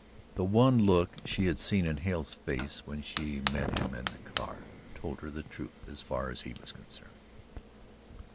The one look she had seen in Hale's face when she met him in the car, told her the truth as far as he was concerned.